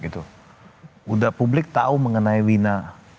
sudah publik tahu mengenai wina